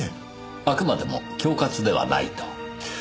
あくまでも恐喝ではないと？